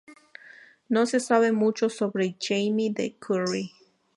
No se sabe mucho sobre Jamie De Curry.